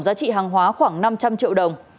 giá trị hàng hóa khoảng năm trăm linh triệu đồng